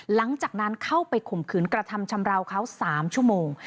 หลังจากนั้นเข้าไปข่มขืนกระทำชำราวเขา๓ชั่วโมง